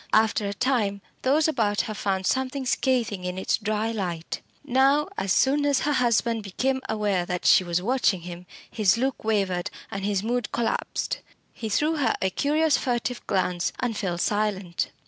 After a time those about her found something scathing in its dry light. Now, as soon as her husband became aware that she was watching him, his look wavered, and his mood collapsed. He threw her a curious furtive glance, and fell silent.